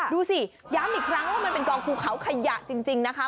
ดูสิย้ำอีกครั้งว่ามันเป็นกองภูเขาขยะจริงนะคะ